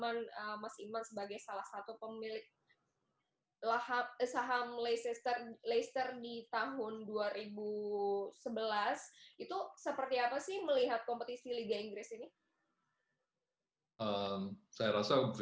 saham leicester di tahun dua ribu sebelas itu seperti apa sih melihat kompetisi liga inggris ini